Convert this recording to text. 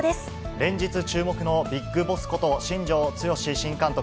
連日注目のビッグボスこと、新庄剛志新監督。